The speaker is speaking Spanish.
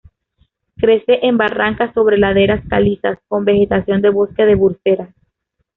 Crece en barrancas sobre laderas calizas, con vegetación de bosque de Bursera.